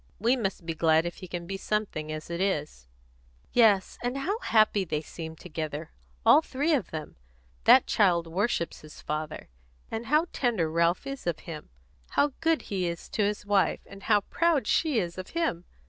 "We must be glad if he can be something, as it is." "Yes, and how happy they seem together, all three of them! That child worships his father; and how tender Ralph is of him! How good he is to his wife; and how proud she is of him!